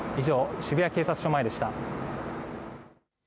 以上、渋谷警察署前でした。